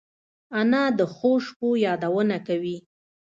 انا د ښو شپو یادونه کوي